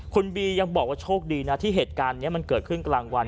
คุณบียังบอกว่าโชคดีนะที่เหตุการณ์นี้มันเกิดขึ้นกลางวัน